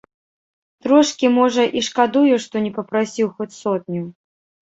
Трошкі, можа, і шкадую, што не папрасіў хоць сотню.